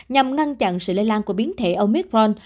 nhằm ngăn chặn sự lây lan của biến thể omicron